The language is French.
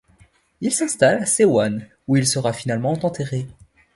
Il s'installe à Sehwan où il sera finalement enterré.